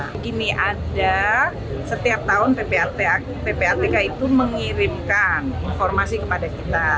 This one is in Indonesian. begini ada setiap tahun ppatk itu mengirimkan informasi kepada kita